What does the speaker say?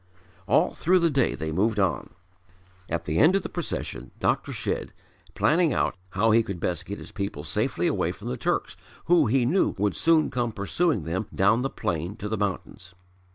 All through the day they moved on, at the end of the procession Dr. Shedd, planning out how he could best get his people safely away from the Turks who he knew would soon come pursuing them down the plain to the mountains.